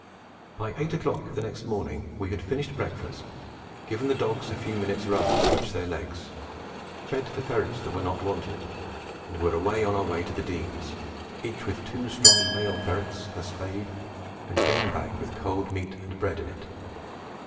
By eight o'clock the next morning we had finished breakfast, given the dogs a few minutes' run to stretch their legs, fed the ferrets that were not wanted, and were on our way to the Denes, each with two strong male ferrets, a spade, and game bag with cold meat and bread in it.